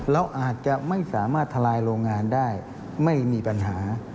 เราอาจจะไม่สามารถทลายโรงงานได้ไม่มีปัญหา